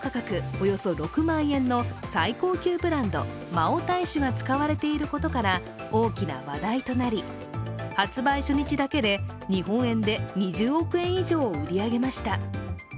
およそ６万円の最高級ブランド、マオタイ酒が使われていることから大きな話題となり発売初日だけで日本円で２０億円以上を売り上げました。